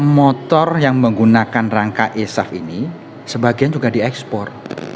motor yang menggunakan rangka esaf ini sebagian juga diekspor